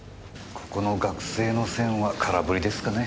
ここの学生の線は空振りですかね？